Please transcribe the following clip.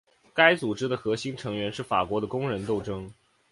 该组织的核心成员是法国的工人斗争。